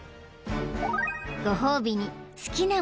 ［「ご褒美に」］